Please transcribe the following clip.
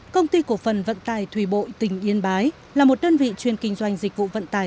công ty cổ phần vận tài thủy bộ tỉnh yên bái là một đơn vị chuyên kinh doanh dịch vụ vận tải